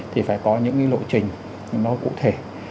thì phải có những cái lộ trình nó cụ thể